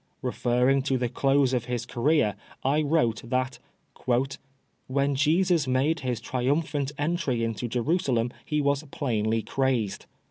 Referring to the close of his career, I wrote that, "When Jesus made his triumphant entry into Jerusalem he was plainly crazed."